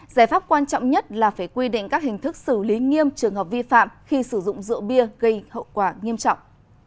giải pháp quan trọng nhất là phải quy định các hình thức xử lý nghiêm trường hợp vi phạm khi sử dụng rượu bia gây hậu quả nghiêm trọng